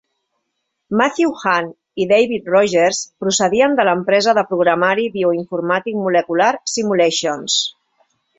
Matthew Hahn i David Rogers procedien de l'empresa de programari bioinformàtic Molecular Simulations.